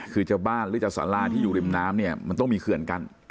คือจากบ้านหรือจากซาล่าที่อยู่ริมน้ำมันต้องมีเคือนกัน